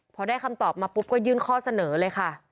พอได้คำตอบมาปุ๊บก็ยื่นข้อเสนอเลยค่ะ